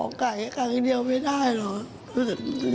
หนูขอให้กลายครั้งเดียวไม่ได้หรือ